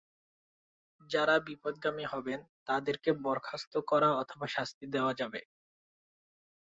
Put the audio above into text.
যারা বিপথগামী হবেন, তাদেরকে বরখাস্ত করা অথবা শাস্তি দেওয়া যাবে।